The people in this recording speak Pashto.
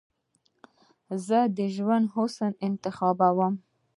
زه دژوند د حسن انتخاب یمه